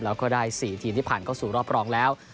เราก็ได้สี่ทีที่ผ่านเข้าสู่รอบรองแล้ว